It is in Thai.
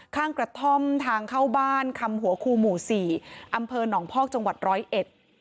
ข้างกระท่อมทางเข้าบ้านคำหัวครูหมู่สี่อำเภอหนองพอกจังหวัดร้อยเอ็ด